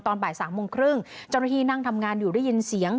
บ่ายสามโมงครึ่งเจ้าหน้าที่นั่งทำงานอยู่ได้ยินเสียง